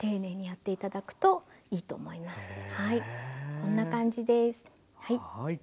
こんな感じです。